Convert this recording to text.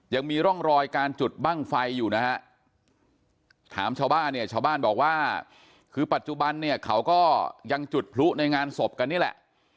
ยังมีร่องรอยการจุดบ้างไฟอยู่นะฮะถามชาวบ้านเนี่ยชาวบ้านบอกว่าคือปัจจุบันเนี่ยเขาก็ยังจุดพลุในงานศพกันนี่แหละ